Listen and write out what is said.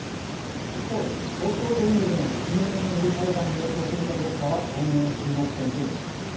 一方で東京電力の責任を巡る裁判に影響するかどうかは今後の注目点と言えます。